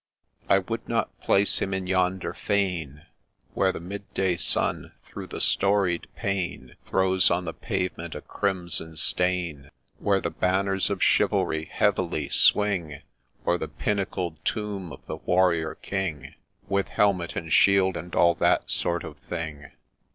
I would not place him in yonder fane, Where the mid day sun through the storied pane Throws on the pavement a crimson stain ; Where the banners of chivalry heavily swing O'er the pinnacled tomb of the Warrior King, With helmet and shield, and all that sort of thing.